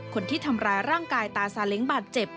คนที่ทำร้ายร่างกายตาสาเล้งบาดเจ็บ